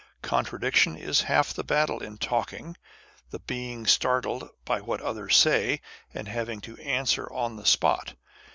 Contradic tion is half the battle in talking â€" the being startled by what others say, and having to answer on the spot.